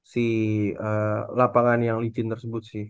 si lapangan yang licin tersebut sih